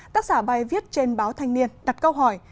tác giả bài viết trên báo thanh niên đặt câu hỏi